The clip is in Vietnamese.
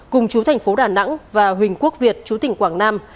cùng chú thành phố đà nẵng và huỳnh quốc việt chú tỉnh quảng nam